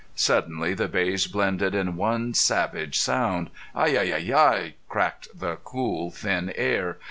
Suddenly the bays blended in one savage sound. "Hi! Hi! Hi!" cracked the cool, thin air.